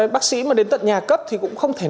bác sĩ mà đến tận nhà cấp thì cũng không thể